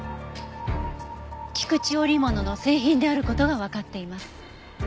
菊池織物の製品である事がわかっています。